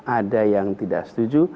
ada yang tidak setuju